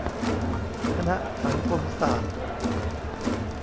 คณะสังคมศาสตร์